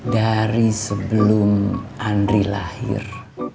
dari sebelum andri lahir